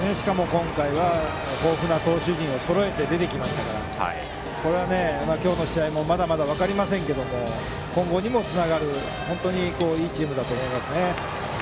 今回は豊富な投手陣をそろえて出てきましたからこれは今日の試合もまだまだ分かりませんけど今後にもつながるいいチームだと思います。